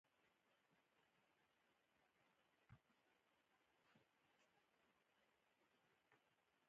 د کرنسۍ ارزښت رالویږي.